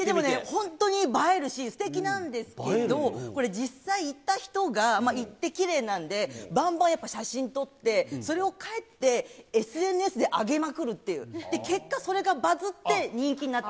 本当に映えるし、すてきなんですけど、これ実際、行った人が、行ってきれいなんで、ばんばんやっぱ写真撮って、それを帰ってＳＮＳで上げまくるっていう、で、結果それがバズっそっか。